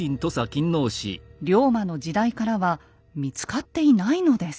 龍馬の時代からは見つかっていないのです。